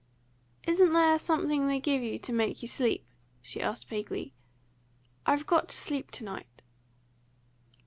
"Isn't there something they give you to make you sleep?" she asked vaguely. "I've got to sleep to night!"